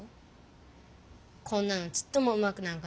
こんなのちっともうまくなんかないじゃない。